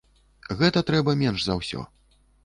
Гэта трэба менш за ўсё.